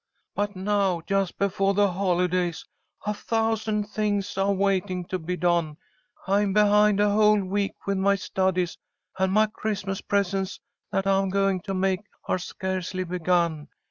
"But now, just befoah the holidays, a thousand things are waiting to be done. I'm behind a whole week with my studies, and my Christmas presents that I'm going to make are scarcely begun.